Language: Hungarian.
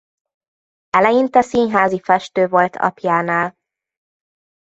Eleinte színházi festő volt apjánál.